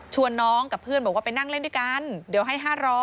น้องกับเพื่อนบอกว่าไปนั่งเล่นด้วยกันเดี๋ยวให้๕๐๐